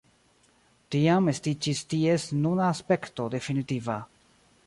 Tiam estiĝis ties nuna aspekto definitiva.